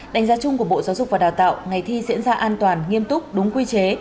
đánh giá chung của bộ giáo dục và đào tạo ngày thi diễn ra an toàn nghiêm túc đúng quy chế